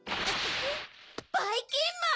ばいきんまん！